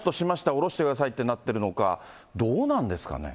降ろしてくださいってなっているのか、どうなんですかね。